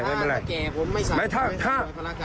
ถ้าแก่ผมไม่สั่งไม่สั่งโดยภารกาศนะ